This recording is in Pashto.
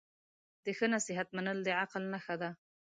د ښه نصیحت منل د عقل نښه ده.